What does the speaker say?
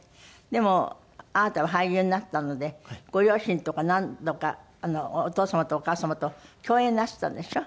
でもあなたは俳優になったのでご両親とか何度かお父様とお母様と共演なすったんでしょ？